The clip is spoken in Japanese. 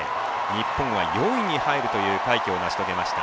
日本は４位に入るという快挙を成し遂げました。